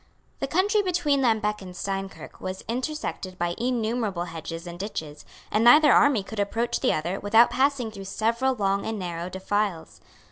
The country between Lambeque and Steinkirk was intersected by innumerable hedges and ditches; and neither army could approach the other without passing through several long and narrow defiles.